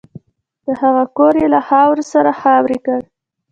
د هغه کور یې له خاورو سره خاورې کړ